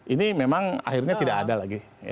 ini memang akhirnya tidak ada lagi